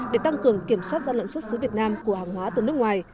để tăng cường kiểm soát gian lận xuất xứ việt nam của hàng hóa từ nước ngoài